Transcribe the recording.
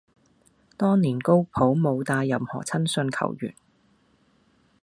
當年高普冇帶任何親信球員